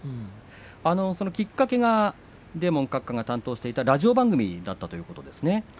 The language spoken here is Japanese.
きっかけがデーモン閣下が担当していたラジオ番組ということですね。